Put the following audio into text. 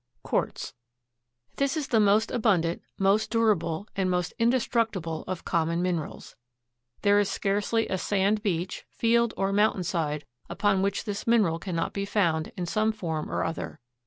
QUARTZ. This is the most abundant, most durable and most indestructible of common minerals. There is scarcely a sand beach, field or mountain side upon which this mineral cannot be found in some form or other.